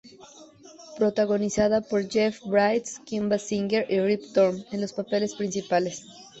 Protagonizada por Jeff Bridges, Kim Basinger y Rip Torn en los papeles principales.